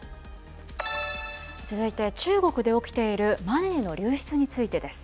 続いて、中国で起きているマネーの流出についてです。